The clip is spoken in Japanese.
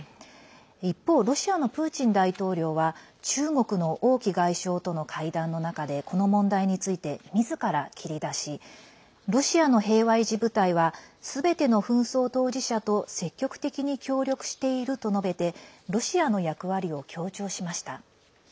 一方、ロシアのプーチン大統領は中国の王毅外相との会談の中でこの問題についてみずから切り出しロシアの平和維持部隊はすべての紛争当事者と積極的に協力していると述べてロシアの役割を強調しました。